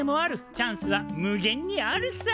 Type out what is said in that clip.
チャンスは無限にあるさ！